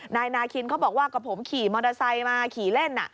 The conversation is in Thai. นายนาคินเขาบอกว่าก็ผมขี่มอเตอร์ไซค์มาขี่เล่น